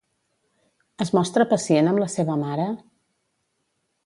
Es mostra pacient amb la seva mare?